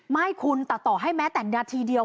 ไม่คุณตัดต่อให้แม้แต่นาทีเดียว